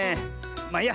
まあいいや。